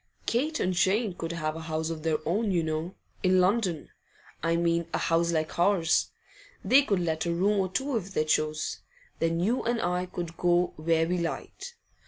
Kate and Jane could have a house of their own, you know in London, I mean, a house like ours; they could let a room or two if they chose. Then you and I could go where we liked.